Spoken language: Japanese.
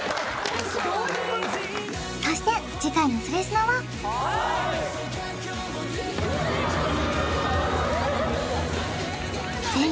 そして次回のそれスノははーい！